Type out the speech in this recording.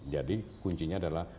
jadi kuncinya adalah